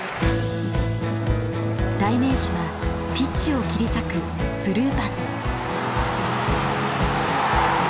代名詞はピッチを切り裂くスルーパス。